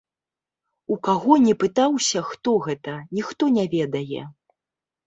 У каго не пытаўся, хто гэта, ніхто не ведае.